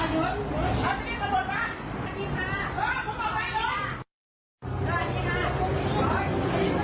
ดีติดสะบดีครับ